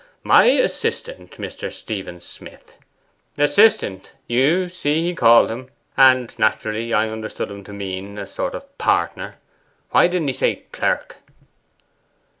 "My assistant, Mr. Stephen Smith," assistant, you see he called him, and naturally I understood him to mean a sort of partner. Why didn't he say "clerk"?